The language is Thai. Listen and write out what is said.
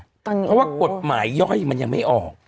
เพราะว่ากฎหมายย่อยมันยังไม่ออก